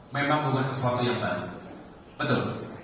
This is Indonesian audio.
memang bukan sesuatu yang tadi